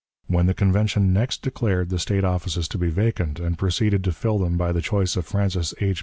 When the Convention next declared the State offices to be vacant, and proceeded to fill them by the choice of Francis H.